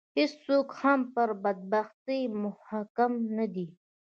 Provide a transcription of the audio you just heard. هېڅوک هم پر بدبختي محکوم نه دي